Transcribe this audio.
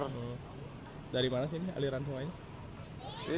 dan dari mana aliran sungai ini